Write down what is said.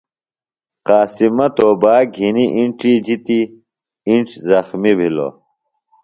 قاسمہ توباک گِھنیۡ اِنڇی جِتیۡ، اِنڇ زخمیۡ بھِلوۡ۔